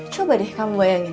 coba deh kamu bayangin